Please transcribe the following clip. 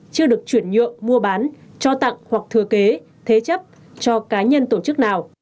chưa được chuyển nhượng mua bán cho tặng hoặc thừa kế thế chấp cho cá nhân tổ chức nào